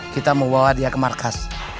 kita mau bawa dia ke markas